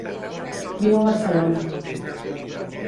Viu a Barcelona.